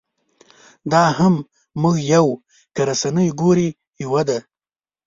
دا هم موږ یو که رسنۍ ګورې یوه ده.